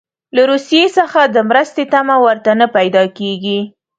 له روسیې څخه د مرستې تمه ورته نه پیدا کیږي.